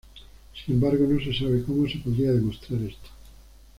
Sin embargo, no se sabe cómo se podría demostrar esto.